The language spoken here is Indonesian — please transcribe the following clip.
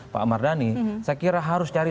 pak mardhani saya kira harus cari